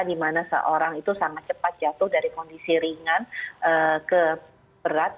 di mana seorang itu sangat cepat jatuh dari kondisi ringan ke berat